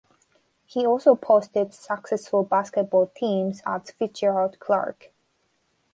He also posted successful basketball teams at Fitzgerald-Clarke.